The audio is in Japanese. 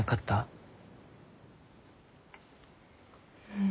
うん。